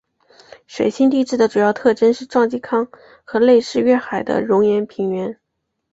水星地质的主要特征是撞击坑和类似月海的熔岩平原。